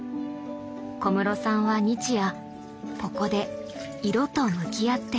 小室さんは日夜ここで色と向き合っています。